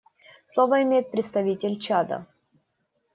Слово имеет представитель Чада.